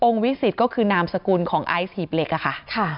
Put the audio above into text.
องค์วิสิทธิ์ก็คือนามสกุลของไอซ์หีบเหล็กค่ะ